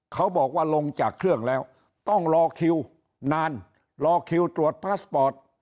เขาบอกว่าลงจากเครื่องแล้วต้องรอคิวนานรอคิวตรวจพลาสปอร์ต